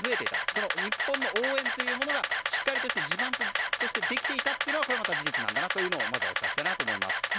その日本の応援というものがしっかりとした地盤としてできていたというのは事実なんだなというのをお伝えしたいと思います。